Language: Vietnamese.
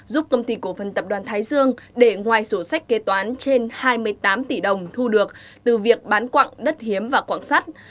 giúp công ty cổ phần tập đoàn thái dương để ngoài sổ sách kế toán trên hai mươi tám tỷ đồng thu được từ việc bán quạng đất hiếm và quạng sắt